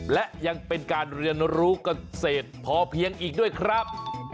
และยังเป็นการเรียนรู้เกษตรพอเพียงอีกด้วยครับ